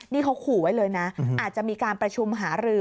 นี่เขาขู่ไว้เลยนะอาจจะมีการประชุมหารือ